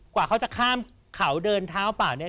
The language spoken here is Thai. กว่าเขาจะข้ามเขาเดินเท้าเปล่าเนี่ย